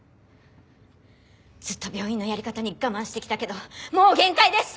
ずっと病院のやり方に我慢してきたけどもう限界です！